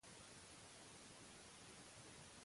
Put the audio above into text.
El quart àlbum d'estudi de la banda Lordi es diu Deadache.